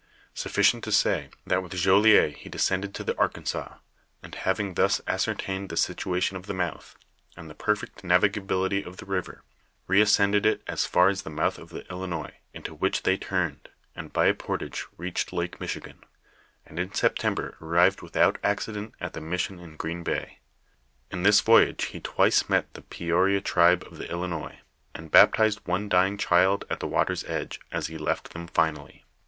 Sufficient to say, that with Jolliet ho descended to the Arkansas, and having thus ascertained the situation of the mouth, and the perfect navigability of the river, reas cended it as far as the mouth of the Ilinois, into which they turned, and by a portage reached Lake Michigan, and in Sep tember arrived without accident at the mission in Green Bay. In this voyage he twice met the Peoria tribe of the Ilinois, and baptized one dying child at the water's edge, as he left them finally.